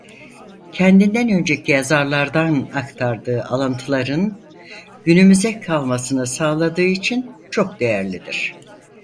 Kendinden önceki yazarlardan aktardığı alıntıların günümüze kalmasını sağladığı için çok değerlidir.